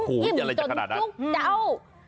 อื้ออิ่มจนจุกเต้า